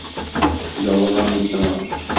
ялланам мин сиңа.